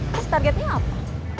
terus targetnya apa